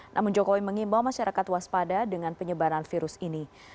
namun jokowi mengimbau masyarakat waspada dengan penyebaran virus ini